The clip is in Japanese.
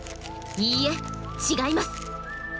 いいえ違います！